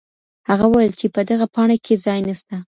هغه وویل چي په دغه پاڼې کي ځای نسته.